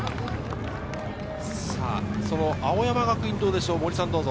青山学院、どうでしょうか？